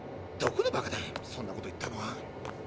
どこのバカだそんなこと言ったのは。